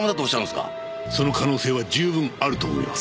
その可能性は十分あると思います。